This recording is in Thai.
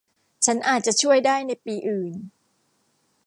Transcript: ฉันอาจจะช่วยได้ในปีอื่น